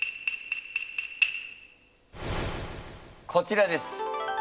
こちらです。